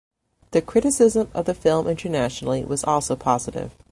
The criticism of the film internationally was also positive.